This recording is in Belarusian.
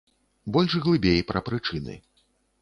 Больш глыбей пра прычыны.